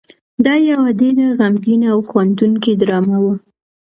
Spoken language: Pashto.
دا یو ډېره غمګینه او خندوونکې ډرامه وه.